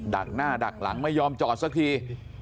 ักหน้าดักหลังไม่ยอมจอดสักที